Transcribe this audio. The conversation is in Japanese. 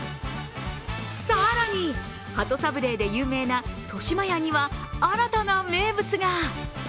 更に、鳩サブレーで有名な豊島屋には新たな名物が。